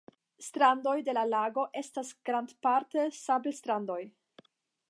Strandoj de la lago estas grandparte sablstrandoj.